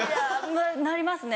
なりますね。